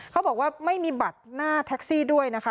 เขาบอกว่าไม่มีบัตรหน้าแท็กซี่ด้วยนะคะ